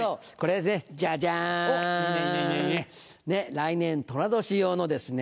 来年とら年用のですね